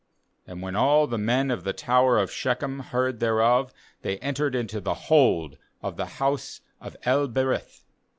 ^And when all the men of the tower of Shechem heard thereof, they en tered into the hold of the house of El berith.